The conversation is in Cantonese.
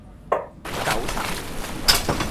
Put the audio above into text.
九十